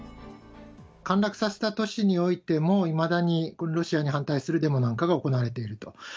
陥落させた都市においても、いまだにロシアに反対するデモなんかが行われていると。